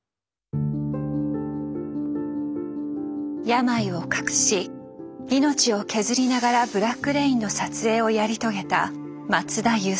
病を隠し命を削りながら「ブラック・レイン」の撮影をやり遂げた松田優作。